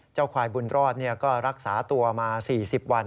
ควายบุญรอดก็รักษาตัวมา๔๐วัน